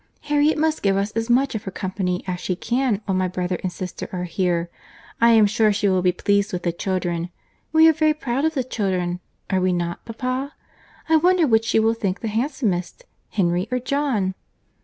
"Harriet must give us as much of her company as she can while my brother and sister are here. I am sure she will be pleased with the children. We are very proud of the children, are not we, papa? I wonder which she will think the handsomest, Henry or John?"